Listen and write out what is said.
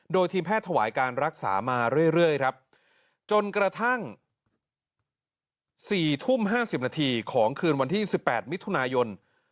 โดยทีมแพทย์ถวายการรักษามาเรื่อยครับจนกระทั่ง๔ทุ่ม๕๐นาทีของคืนวันที่๑๘มิถุนายน